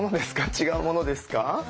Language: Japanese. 違うものですか？